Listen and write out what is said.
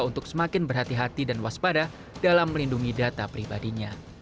untuk semakin berhati hati dan waspada dalam melindungi data pribadinya